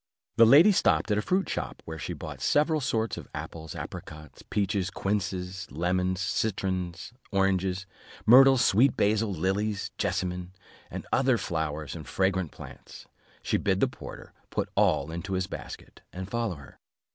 The lady stopped at a fruit shop, where she bought several sorts of apples, apricots, peaches, quinces, lemons, citrons, oranges; myrtles, sweet basil, lilies, jessamin, and some other flowers and fragrant plants; she bid the porter put all into his basket, and follow her.